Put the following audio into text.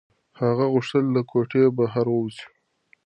هغه غوښتل چې له کوټې بهر ووځي.